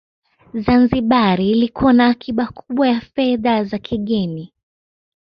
Zanzibar ilikuwa na akiba kubwa ya fedha za kigeni